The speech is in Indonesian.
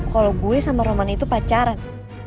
kalau gue sama romani itu pacaran